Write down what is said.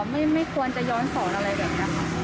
แบบไม่ควรจะย้อนศรอะไรแบบนี้